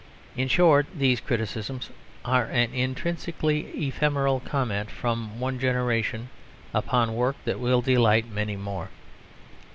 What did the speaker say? In short, these criticisms are an intrinsically ephemeral comment from one generation upon work that will delight many more.